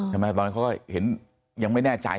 ทำไมตอนนั้นเข้าเห็นยังไม่แน่ใจ